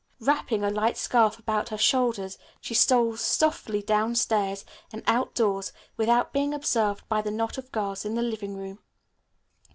Wrapping a light scarf about her shoulders, she stole softly downstairs and outdoors without being observed by the knot of girls in the living room.